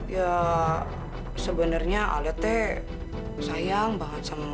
ya sebenarnya alda t sayang banget sama mas kevin